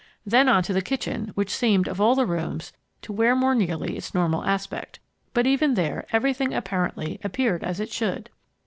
Then on into the kitchen, which seemed, of all the rooms, to wear more nearly its normal aspect. But even there everything, apparently, appeared as it should.